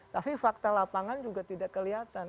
tapi fakta lapangan juga tidak kelihatan